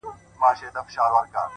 o د فکرونه. ټوله مزخرف دي.